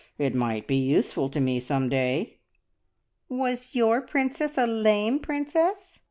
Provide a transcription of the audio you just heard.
It might be useful to me someday." "Was your princess a lame princess?"